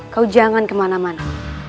kau jangan kemana mana